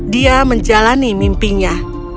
dia menjalani mimpinya